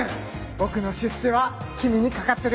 僕の出世は君にかかってる。